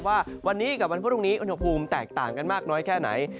ว่าวันนี้กับวันพรุ่งนี้อุณหภูมิแตกต่างกันมากน้อยแค่ไหน